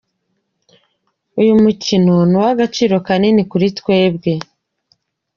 Uyu mukino ni uw’agaciro kanini kuri twebwe”.